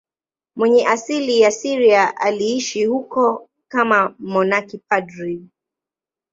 Mwenye asili ya Syria, aliishi huko kama mmonaki padri.